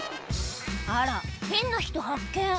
あら変な人発見